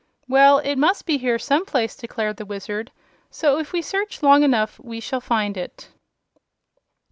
"Well, it must be here some place," declared the Wizard; "so if we search long enough we shall find it."